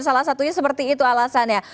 salah satunya seperti itu alasannya